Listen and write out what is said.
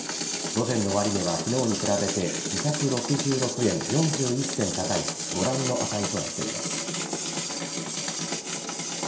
午前の終値は昨日に比べて２６６円４１銭高いご覧の値となっています。